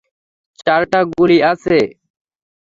চারটা গুলি আছে।